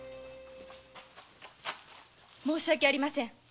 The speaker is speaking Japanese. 申し訳ありませぬ。